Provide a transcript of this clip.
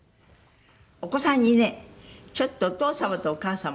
「お子さんにねちょっとお父様とお母様をね